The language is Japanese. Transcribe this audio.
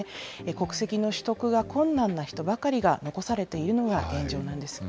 国籍の取得が困難な人ばかりが残されているのが現状なんです。